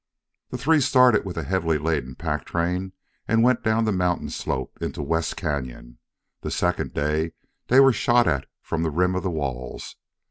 The three started with a heavily laden pack train and went down the mountain slope into West Cañon. The second day they were shot at from the rim of the walls.